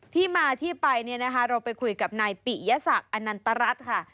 ที่มาที่ไปเนี่ยนะคะเราไปคุยกับนายปิยศักดิ์อนันตรรัฐค่ะ